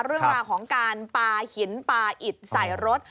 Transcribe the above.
เรื่องราวของการปลาหินปลาอิดใส่รถ